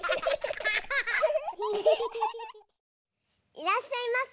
いらっしゃいませ。